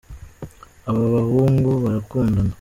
ababahungu barakundana